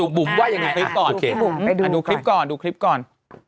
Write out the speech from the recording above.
กุมว่าเนี่ยลองแบบนี้ดูคลิปก่อน